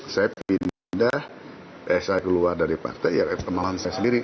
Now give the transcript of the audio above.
saya pindah eh saya keluar dari partai kenalan saya sendiri